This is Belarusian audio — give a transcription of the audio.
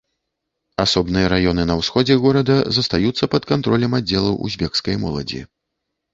Асобныя раёны на ўсходзе горада застаюцца пад кантролем аддзелаў узбекскай моладзі.